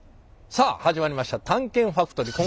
さあ始まりました「探検ファクトリー」。